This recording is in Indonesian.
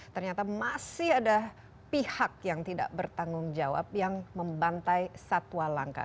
ternyata masih ada pihak yang tidak bertanggung jawab yang membantai satwa langka